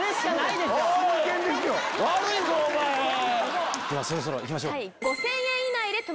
ではそろそろ行きましょうか。